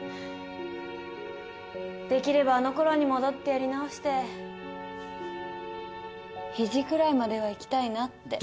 できればあの頃に戻ってやり直してひじくらいまではいきたいなって。